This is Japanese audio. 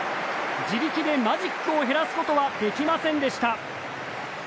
自力でマジックを減らすことはできませんでした。